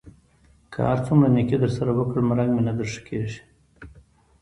که هر څومره نېکي در سره وکړم؛ رنګ مې نه در ښه کېږي.